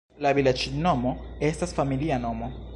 La vilaĝnomo estas familia nomo.